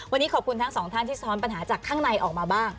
วันนี้ขอบคุณทั้งสองท่านที่สะท้อนปัญหาจากข้างในออกมาบ้าง